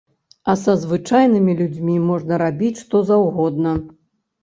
А са звычайнымі людзьмі можна рабіць што заўгодна.